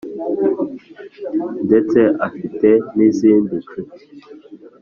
ndetse afiten’izindi nshuti